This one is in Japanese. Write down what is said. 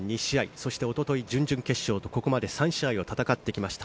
そしておととい準々決勝とここまで３試合を戦ってきました。